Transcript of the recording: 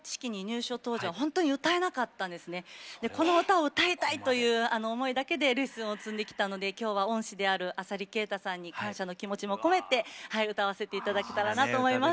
この歌を歌いたいという思いだけでレッスンを積んできたので今日は恩師である浅利慶太さんに感謝の気持ちも込めて歌わせて頂けたらなと思います。